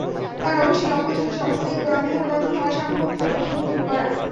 তাঁর অভীষ্ট লক্ষ্য ছিল সমাজ থেকে গোঁড়ামি, ধর্মান্ধতা, অসাম্য, বৈষম্য দূর করা।